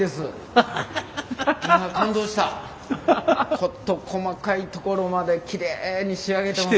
事細かいところまできれいに仕上げてます